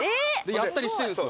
やったりしてるんですよ。